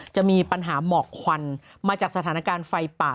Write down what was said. จะมีปัญหาหมอกควันมาจากสถานการณ์ไฟป่า